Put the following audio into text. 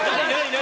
何？